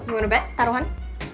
gimana bet taruhan